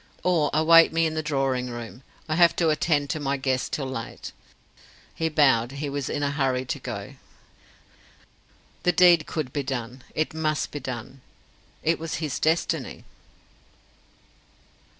Or await me in the drawing room. I have to attend to my guests till late." He bowed; he was in a hurry to go. The deed could be done. It must be done; it was his destiny.